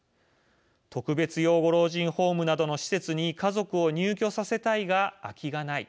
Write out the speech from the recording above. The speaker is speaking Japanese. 特別養護老人ホームなどの施設に家族を入居させたいが空きがない。